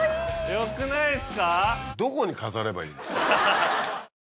よくないですか？